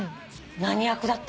何役だったの？